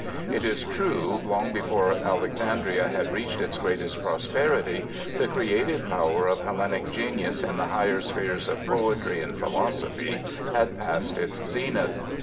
It is true, long before Alexandria had reached its greatest prosperity, the creative power of Hellenic genius in the higher spheres of poetry and philosophy had passed its zenith.